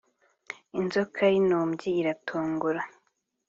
inzoka y’intumbyi iratongora